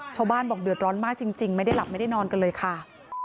ชาวบ้านบอกเดือดร้อนมากจริงไม่ได้หลับไม่ได้นอนกันเลยค่ะ